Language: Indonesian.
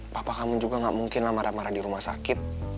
papa kamu juga gak mungkinlah marah marah di rumah sakit